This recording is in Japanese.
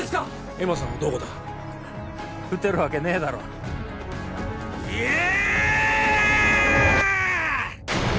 恵茉さんはどこだ撃てるわけねえだろ言え！